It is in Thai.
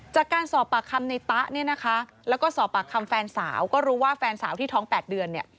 จากการสอบปากคำในตะเนี่ยนะคะแล้วก็สอบปากคำแฟนสาวก็รู้ว่าแฟนสาวที่ท้อง๘เดือนเนี่ย